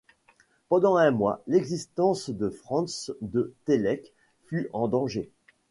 Pendant un mois, l’existence de Franz de Télek fut en danger.